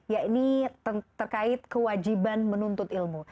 yakni terkait kewajiban menuntut ilmu